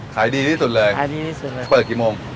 ขายดีที่สุดเลยเปิดกี่โมง